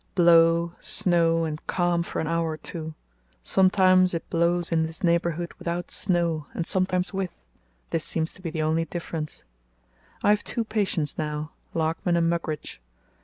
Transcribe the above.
Blow, snow, and calm for an hour or two. Sometimes it blows in this neighbourhood without snow and sometimes with—this seems to be the only difference. I have two patients now, Larkman and Mugridge.